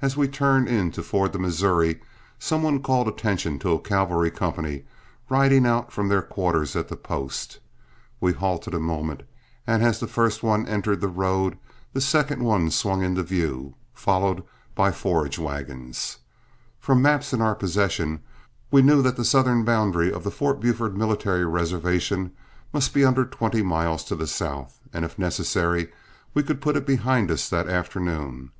As we turned in to ford the Missouri, some one called attention to a cavalry company riding out from their quarters at the post. We halted a moment, and as the first one entered the road, the second one swung into view, followed by forage wagons. From maps in our possession we knew the southern boundary of the Fort Buford military reservation must be under twenty miles to the south, and if necessary, we could put it behind us that afternoon.